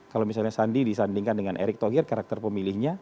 kalau misalnya sandi disandingkan dengan erick thohir karakter pemilihnya